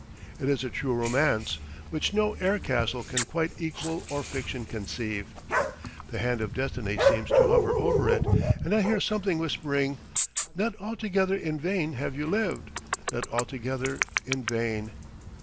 It is a true romance, which no air castle can quite equal or fiction conceive. The hand of destiny seems to hover over it, and I hear something whispering: "Not altogether in vain have you lived not altogether in vain."